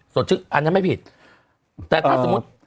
อันนั้นไม่ผิดแต่ถ้าสมมุติ